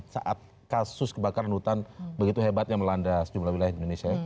saat kasus kebakaran hutan begitu hebat yang melanda sejumlah wilayah di indonesia